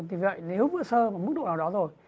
nếu vữa sơ vào mức độ nào đó rồi